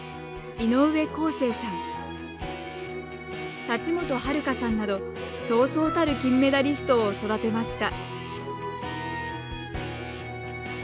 井上康生さん田知本遥さんなどそうそうたる金メダリストを育てました。